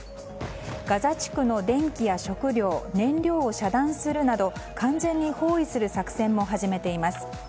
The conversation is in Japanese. ガザ地区の電気や食料燃料を遮断するなど完全に包囲する作戦も始めています。